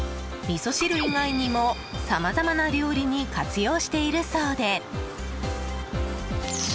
みそ汁以外にもさまざまな料理に活用しているそうで。